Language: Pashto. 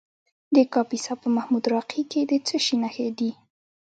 د کاپیسا په محمود راقي کې د څه شي نښې دي؟